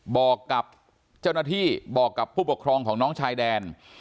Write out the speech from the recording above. บอกกับเจ้าหน้าที่บอกกับผู้ปกครองของน้องชายแดน